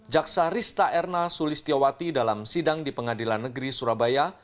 jaksa rista erna sulistyawati dalam sidang di pengadilan negeri surabaya